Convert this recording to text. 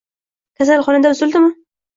Kasalxonada uzildimi